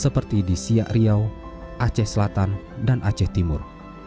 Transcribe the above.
seperti di siak riau aceh selatan dan aceh timur